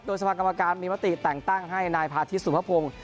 โดยสมาร์ทกรรมการมีมติแต่งตั้งให้นายพาทิศสุภพพงษ์